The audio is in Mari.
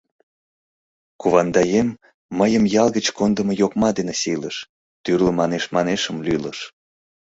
Кувандаем мыйым ял гыч кондымо йокма дене сийлыш, тӱрлӧ манеш-манешым лӱлыш.